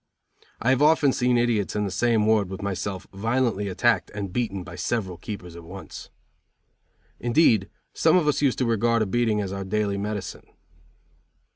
I have often seen idiots in the same ward with myself violently attacked and beaten by several keepers at once. Indeed, some of us used to regard a beating as our daily medicine.